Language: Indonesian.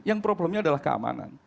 yang problemnya adalah keamanan